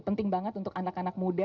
penting banget untuk anak anak muda